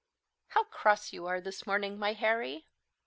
"How cross you are this morning, my Harry!